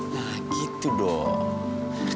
nah gitu dong